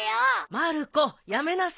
まる子やめなさい。